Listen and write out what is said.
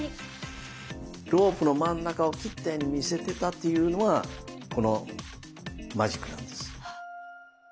⁉ロープの真ん中を切ったように見せてたっていうのがこのマジックなんです。